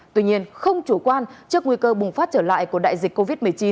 tuy nhiên không chủ quan trước nguy cơ bùng phát trở lại của đại dịch covid một mươi chín